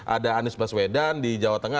ada anies baswedan di jawa tengah